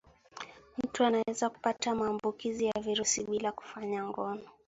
mtu anaweza kupata maambukizi ya virusi bila kufanya ngono